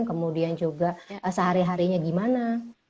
kemudian juga sehari harinya gimana